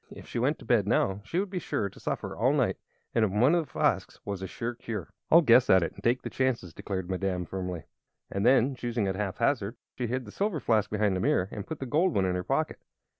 If she went to bed now she would be sure to suffer all night, and in one of the flasks was a sure cure. "I'll guess at it, and take the chances!" declared Madame, firmly. And then, choosing at haphazard, she hid the silver flask behind the mirror and put the gold one in her pocket.